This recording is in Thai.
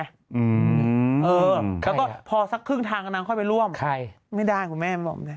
เออแล้วก็พอสักครึ่งทางกับนางค่อยไปร่วมไม่ได้คุณแม่บอกเนี่ย